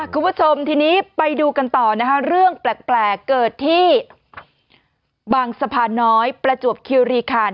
คุณผู้ชมทีนี้ไปดูกันต่อนะคะเรื่องแปลกเกิดที่บางสะพานน้อยประจวบคิวรีคัน